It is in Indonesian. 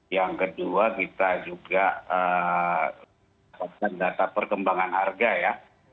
yang kedua kita juga dapatkan data perkembangan harga ya